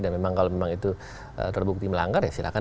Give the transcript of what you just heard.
dan memang kalau memang itu terbukti melanggar ya silahkan